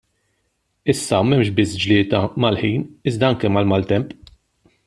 Issa m'hemmx biss glieda mal-ħin iżda anke mal-maltemp.